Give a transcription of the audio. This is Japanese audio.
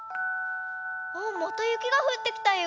あっまたゆきがふってきたよ。